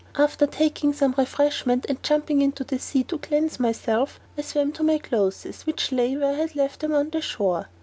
After taking some refreshment, and jumping into the sea to cleanse myself, I swam to my clothes, which lay where I had left them on the shore.